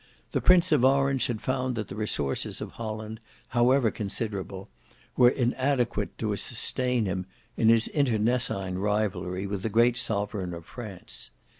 The Prince of Orange had found that the resources of Holland, however considerable, were inadequate to sustain him in his internecine rivalry with the great sovereign of France.